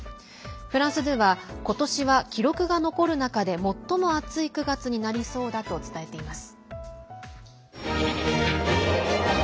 フランス２は今年は記録が残る中で最も暑い９月になりそうだと伝えています。